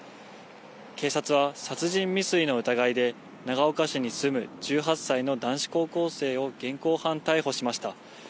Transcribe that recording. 警察は殺人未遂の疑いで、長岡市に住む１８歳の男子高校生を現行犯逮捕しました。